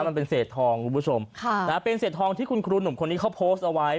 มันเป็นเศษทองคุณผู้ชมค่ะนะฮะเป็นเศษทองที่คุณครูหนุ่มคนนี้เขาโพสต์เอาไว้